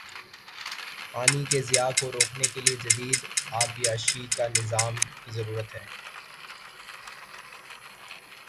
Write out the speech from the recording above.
پانی کے ضیاع کو روکنے کے لیے جدید آبپاشی نظام کی ضرورت ہے